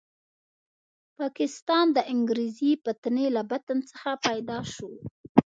پاکستان د انګریزي فتنې له بطن څخه پیدا شو.